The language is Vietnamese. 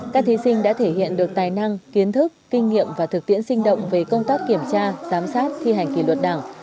các thí sinh đã thể hiện được tài năng kiến thức kinh nghiệm và thực tiễn sinh động về công tác kiểm tra giám sát thi hành kỷ luật đảng